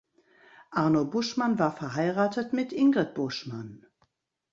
Arno Buschmann war verheiratet mit Ingrid Buschmann.